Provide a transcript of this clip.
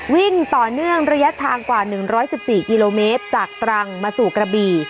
วิ่งต่อเนื่องระยะทางกว่า๑๑๔กิโลเมตรจากตรังมาสู่กระบี่